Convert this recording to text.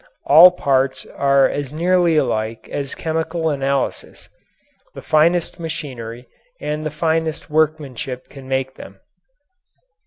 All parts are as nearly alike as chemical analysis, the finest machinery, and the finest workmanship can make them.